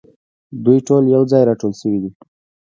دوی ټول یو ځای راټول شوي دي.